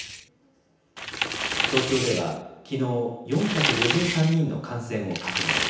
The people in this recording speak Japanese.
東京ではきのう、４５３人の感染を確認。